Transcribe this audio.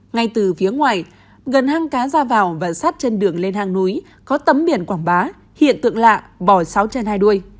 ngay từ phía ngoài gần hang cá ra vào và sát chân đường lên hang núi có tấm biển quảng bá hiện tượng lạ bò sáu chân hai đuôi